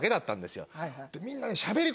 みんなね。